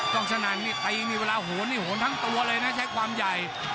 กล้องสนั่นนี่ตีนี่เวลาโหนนี่โหนทั้งตัวเลยนะใช้ความใหญ่